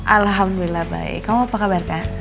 alhamdulillah baik kamu apa kabar kak